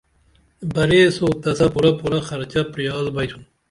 بریسو تسہ پورہ پورہ خرچہ پریال بیئتُھن